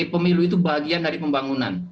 pemilu itu bagian dari pembangunan